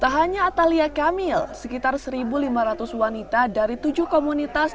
tak hanya atalia kamil sekitar satu lima ratus wanita dari tujuh komunitas